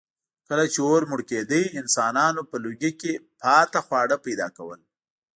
کله چې اور مړ کېده، انسانانو په لوګي کې پاتې خواړه پیدا کول.